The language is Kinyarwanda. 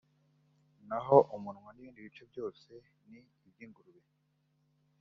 naho umunwa n’ibindi bice byose ni iby’ingurube